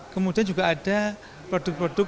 kemudian juga ada produk produk